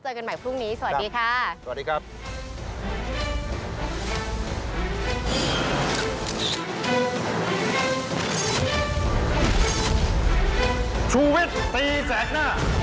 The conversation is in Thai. กันใหม่พรุ่งนี้สวัสดีค่ะสวัสดีครับ